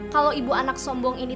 kalau ibu anak sombong ini